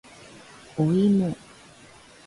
おいも